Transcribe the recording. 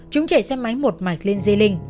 chúng chạy xe máy một mạch lên dây linh